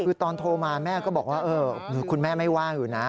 คือตอนโทรมาแม่ก็บอกว่าคุณแม่ไม่ว่าอยู่นะ